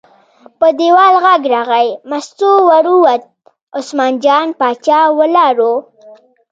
په دیوال غږ راغی، مستو ور ووته، عثمان جان باچا ولاړ و.